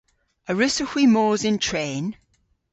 A wrussowgh hwi mos yn tren?